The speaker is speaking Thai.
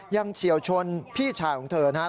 ยังเฉียวชนพี่ชายของเธอนะฮะ